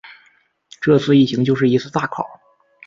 这次疫情就是一次大考